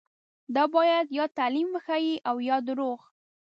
دا باید یا تعلیم وښيي او یا درواغ.